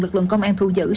lực lượng công an thu giữ